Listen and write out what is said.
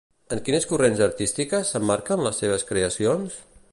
En quines corrents artístiques s'emmarquen les seves creacions?